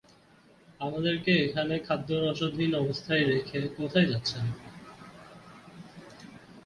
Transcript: আমাদেরকে এখানে খাদ্য-রসদহীন অবস্থায় রেখে কোথায় যাচ্ছেন?